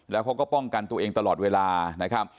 แล้วเขาก็ป้องกันตัวเองตลอดเวลานะครับ